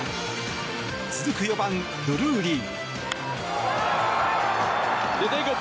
続く４番、ドゥルーリー。